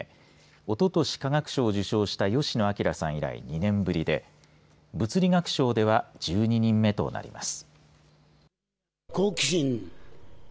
おととし、化学賞を受賞した吉野彰さん以来２年ぶりで物理学賞では１２人目となります。